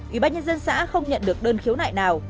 ủy ban nhân dân xã không nhận được đơn khiếu nại nào